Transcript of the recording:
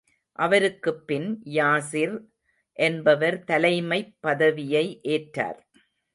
அவருக்குப் பின், யாஸிர் என்பவர் தலைமைப் பதவியை ஏற்றார்.